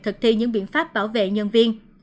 thực thi những biện pháp bảo vệ nhân viên